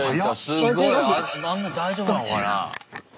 すごいあんな大丈夫なのかな？